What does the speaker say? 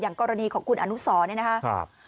อย่างกรณีของคุณอนุสรนะครับ